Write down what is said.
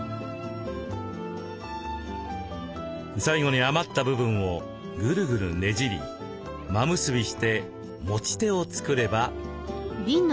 最後に余った部分をグルグルねじり真結びして持ち手を作れば。